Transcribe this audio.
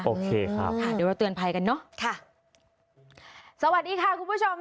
โอเคครับค่ะเดี๋ยวเราเตือนภัยกันเนอะค่ะสวัสดีค่ะคุณผู้ชม